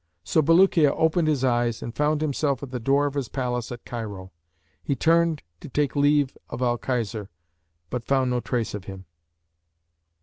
So Bulukiya opened his eyes and found himself at the door of his palace at Cairo. He turned, to take leave of Al Khizr, but found no trace of him."